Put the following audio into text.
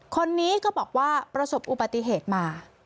คนนี้ก็บอกว่าประสบอุบัติเหตุมา